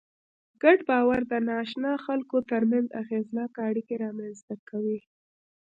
ګډ باور د ناآشنا خلکو تر منځ اغېزناکه اړیکې رامنځ ته کوي.